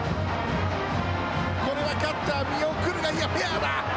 これはキャッチャー見送るがフェアだ。